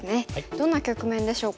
どんな局面でしょうか。